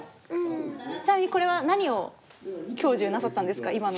ちなみにこれは何を教授なさったんですか今の。